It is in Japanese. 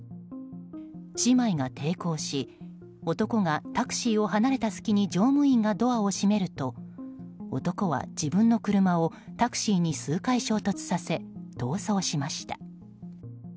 姉妹が抵抗し男がタクシーを離れた隙に乗務員がドアを閉めると男は自分の車をタクシーに数回衝突させ逃走しました。